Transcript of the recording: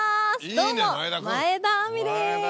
どうも前田亜美です。